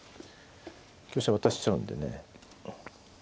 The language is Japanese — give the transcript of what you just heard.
香車渡しちゃうんでね。